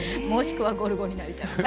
もしくはゴルゴになりたい。